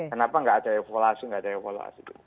kenapa nggak ada evaluasi nggak ada evaluasi